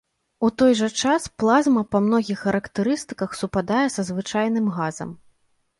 У той жа час, плазма па многіх характарыстыках супадае са звычайным газам.